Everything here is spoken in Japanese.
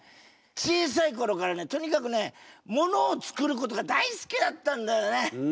小さいころからねとにかくねものをつくることが大好きだったんだよね。